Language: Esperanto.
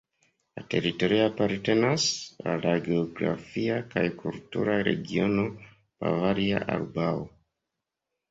La teritorio apartenas al la geografia kaj kultura regiono Bavaria Arbaro.